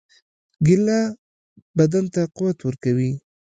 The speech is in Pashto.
کېله بدن ته قوت ورکوي.